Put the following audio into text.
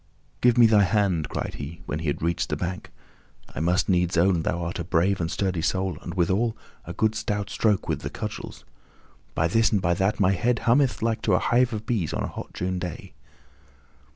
"Give me thy hand," cried he, when he had reached the bank. "I must needs own thou art a brave and a sturdy soul and, withal, a good stout stroke with the cudgels. By this and by that, my head hummeth like to a hive of bees on a hot June day."